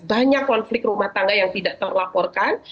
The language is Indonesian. banyak konflik rumah tangga yang tidak terlaporkan